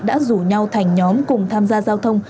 đã rủ nhau thành nhóm cùng tham gia giao thông